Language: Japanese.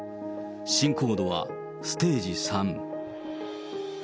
進行度はステージ３。